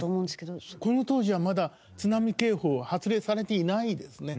この当時はまだ津波警報は発令されていないですね。